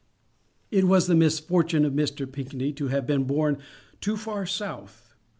It was the misfortune of Mr. Pinckney to have been born too far south.